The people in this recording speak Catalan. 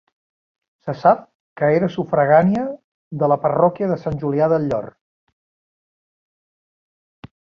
Se sap que era sufragània de la parròquia de Sant Julià del Llor.